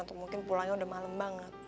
untuk mungkin pulangnya udah malem banget